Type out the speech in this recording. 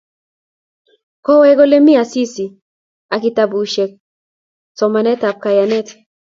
Kowek Ole mi Asisi ak kitabusiekab somanetab kayanet